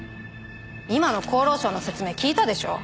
今の厚労省の説明聞いたでしょ？